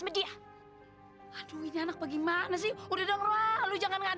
dimun memang kita nyuriin semua muchas games kalo dibelain hughie second hand